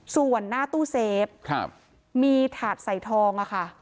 ส่วนหน้าตู้เซฟมีถาดใส่ทองอะค่ะ